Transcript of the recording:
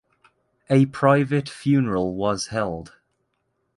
A private funeral was held.